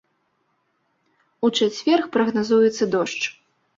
У чацвер прагназуецца дождж.